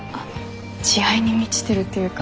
慈愛に満ちてるっていうか。